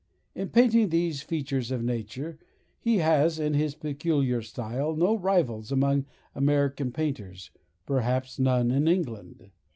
In painting these features of Nature, he has (in his peculiar style) no rivals among American painters—perhaps none in England.